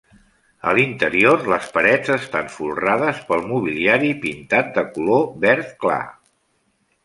A l'interior les parets estan folrades pel mobiliari pintat de color verd clar.